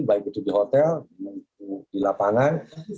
baik itu di hotel di lapangan